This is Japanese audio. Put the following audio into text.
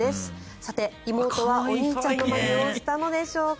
さて、妹はお兄ちゃんのまねをしたのでしょうか。